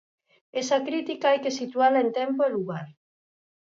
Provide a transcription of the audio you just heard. Esa crítica hai que situala en tempo e lugar.